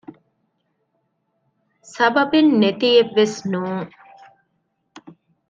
ސަބަބެން ނެތިއެއްވެސް ނޫން